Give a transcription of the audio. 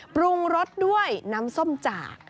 ปรุงรสด้วยน้ำส้มจาก